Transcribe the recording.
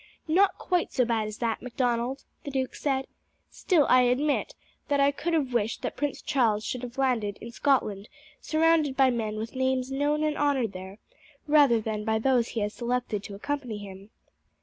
"Not quite so bad as that, Macdonald," the duke said. "Still I admit that I could have wished that Prince Charles should have landed in Scotland surrounded by men with names known and honoured there, rather than by those he has selected to accompany him."